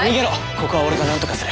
ここは俺がなんとかする。